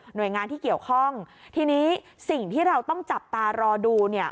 โดยงานที่เกี่ยวข้องทีนี้สิ่งที่เราต้องจับตารอดูเนี่ย